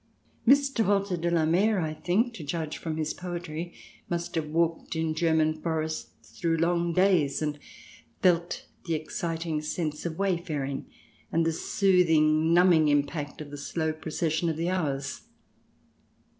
Mr. Walter de la Mare, I think, to judge from his poetry, must have walked in German forests through long days, and felt the exciting sense of wayfaring and the soothing, numbing impact of the slow pro cession of the hours.